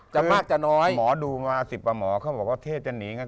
จะมากจะน้อยคือหมอดูมาสิบอ๋อหมอเขาบอกว่าเทพจะหนีง่ะ